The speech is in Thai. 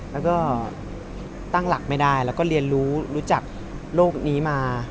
แล้วก็ตั้งหลักไม่ได้แล้วก็เรียนรู้รู้จักโลกนี้มา